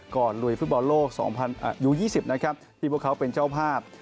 ก่อนลุยฟุตบอลโลก๒๐๒๐ที่พวกเขาเป็นเจ้าภาพ